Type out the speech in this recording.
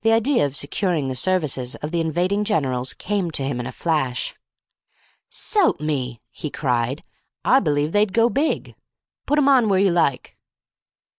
The idea of securing the services of the invading generals came to him in a flash. "S'elp me!" he cried. "I believe they'd go big; put 'em on where you like."